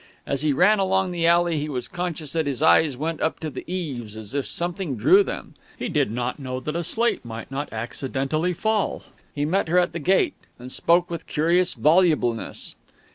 As he ran along the alley he was conscious that his eyes went up to the eaves as if something drew them. He did not know that a slate might not accidentally fall.... He met her at the gate, and spoke with curious volubleness.